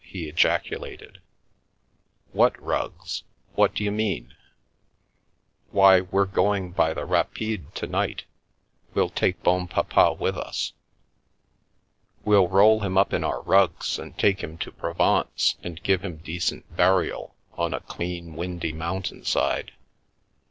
he ejaculated, " What rugs ? What d'you mean ?"" Why, we're going by the rapide to night — we'll take Bonpapa with us. We'll roll him up in our rugs and take him to Provence, and give him decent burial on a clean, windy mountain side.